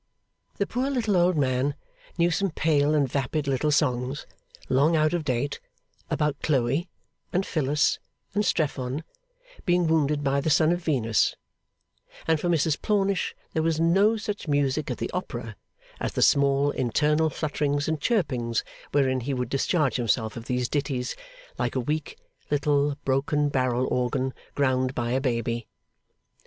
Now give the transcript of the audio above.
The poor little old man knew some pale and vapid little songs, long out of date, about Chloe, and Phyllis, and Strephon being wounded by the son of Venus; and for Mrs Plornish there was no such music at the Opera as the small internal flutterings and chirpings wherein he would discharge himself of these ditties, like a weak, little, broken barrel organ, ground by a baby.